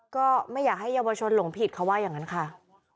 ก็ไม่อยากให้เยาวชนหลงผิดเขาว่าอย่างนั้นค่ะ